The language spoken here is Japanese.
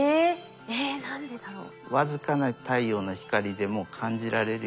えっ何でだろう？